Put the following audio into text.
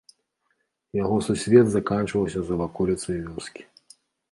Яго сусвет заканчваўся за ваколіцай вёскі.